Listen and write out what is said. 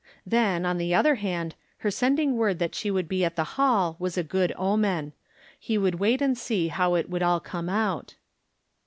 Then, on the other hand, her sending word that she would be at the hall was a good omen. He would wait and see how it would all come out.